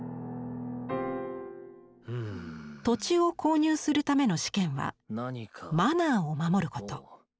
土地を購入するための試験は「マナー」を守ること。